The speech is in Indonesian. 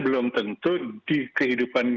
belum tentu di kehidupan